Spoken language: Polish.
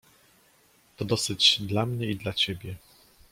"To dosyć dla mnie i dla ciebie."